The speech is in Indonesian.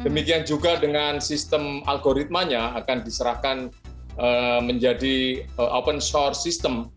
demikian juga dengan sistem algoritmanya akan diserahkan menjadi open shore system